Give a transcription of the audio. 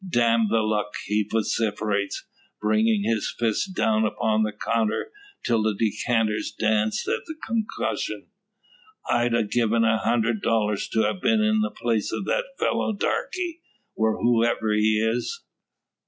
"Damn the luck!" he vociferates, bringing his fist down upon the counter till the decanters dance at the concussion; "I'd 'a given a hundred dollars to 'a been in the place o' that fellow Darke, whoever he is!"